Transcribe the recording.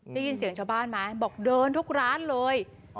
ได้ยินเสียงชาวบ้านไหมบอกเดินทุกร้านเลย